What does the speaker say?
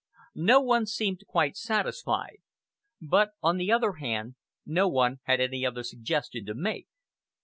No one seemed quite satisfied; but, on the other hand, no one had any other suggestion to make.